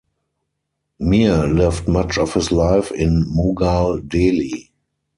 Mir lived much of his life in Mughal Delhi.